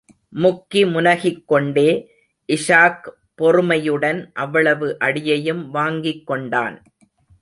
முக்கி முனகிக்கொண்டே, இஷாக் பொறுமையுடன் அவ்வளவு அடியையும் வாங்கிக் கொண்டான்.